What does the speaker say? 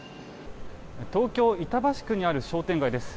東京・板橋区にある商店街です。